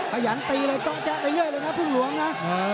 ขยันตีเลยก็จะเรื่อยเลยนะพึ่งหลวงนะ